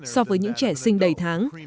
đối với những trẻ sinh đầy tháng